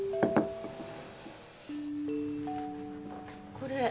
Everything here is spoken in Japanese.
これ？